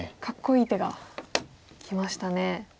かっこいい手がきましたね。